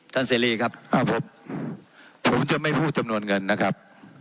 ท่านเสียรีครับผมจะไม่พูดจำนวนเงินนะครับ